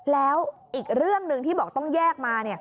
แล้วอีกเรื่องหนึ่งที่บอกต้องแยกมา